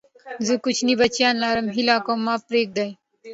زه کوچني بچيان لرم، هيله کوم ما پرېږدئ!